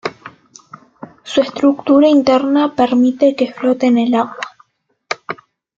Su estructura interna permite que flote en el agua.